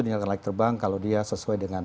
dinyatakan layak terbang kalau dia sesuai dengan